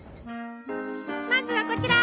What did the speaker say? まずはこちら！